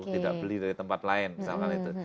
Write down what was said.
tidak beli dari tempat lain misalkan itu